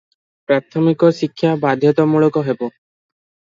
ପ୍ରାଥମିକ ଶିକ୍ଷା ବାଧ୍ୟତାମୂଳକ ହେବ ।